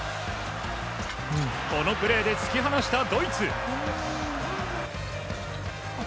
このプレーで突き放したドイツ。